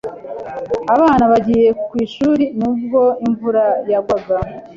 Abana bagiye ku ishuri nubwo imvura yagwaga.